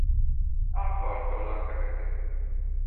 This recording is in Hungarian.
A farktollak feketék.